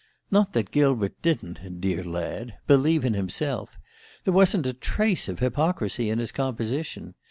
Not that Gilbert didn't dear lad! believe in himself. There wasn't a trace of hypocrisy in his composition.